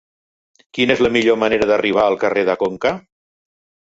Quina és la millor manera d'arribar al carrer de Conca?